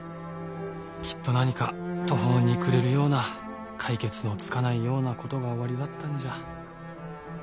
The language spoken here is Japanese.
きっと何か途方に暮れるような解決のつかないような事がおありだったんじゃ。